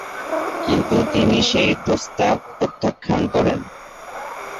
কিন্তু তিনি সেই প্রস্তাব প্রত্যাখ্যান করেন।